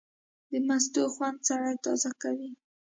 د مستو خوند سړی تازه کوي.